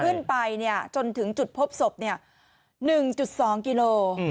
ขึ้นไปเนี่ยจนถึงจุดพบศพเนี่ย๑๒กิโล